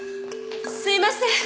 すいません！